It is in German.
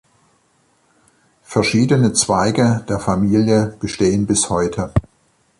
Verschiedene Zweige der Familie bestehen bis heute.